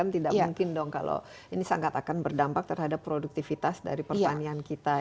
tidak mungkin dong kalau ini sangat akan berdampak terhadap produktivitas dari pertanian kita